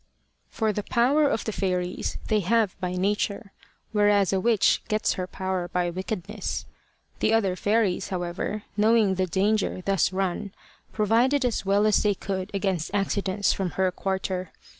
For the power of the fairies they have by nature; whereas a witch gets her power by wickedness. The other fairies, however, knowing the danger thus run, provided as well as they could against accidents from her quarter.